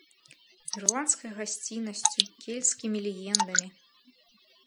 Ірландскай гасціннасцю, кельцкімі легендамі.